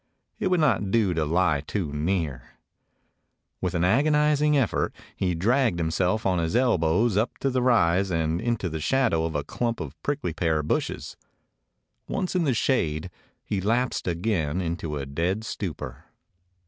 It would not do to lie too near. With an agonizing effort he dragged himself on his elbows up the rise and into the shadow of a clump of prickly pear bushes. Once in the shade, he lapsed again into a dead stupor.